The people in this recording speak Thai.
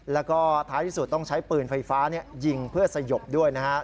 แล้วก็ท้ายที่สุดต้องใช้ปืนไฟฟ้ายิงเพื่อสยบด้วยนะฮะ